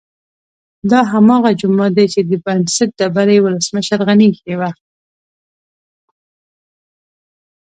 دا هماغه جومات دی چې د بنسټ ډبره یې ولسمشر غني ايښې وه